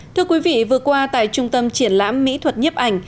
thưa quý vị vừa qua tại trung tâm triển lãm mỹ thuật nhiếp ảnh